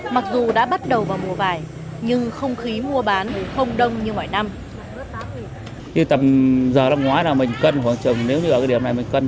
mặc dù đã bắt đầu vào mùa vải nhưng không khí mua bán không đông như mọi năm